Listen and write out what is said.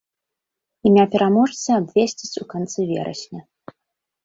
Імя пераможцы абвесцяць у канцы верасня.